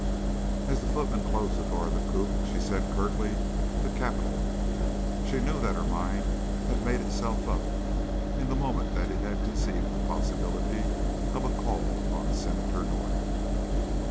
As the footman closed the door of the coupe and she said curtly, "The Capitol," she knew that her mind had made itself up in the moment that it had conceived the possibility of a call upon Senator North.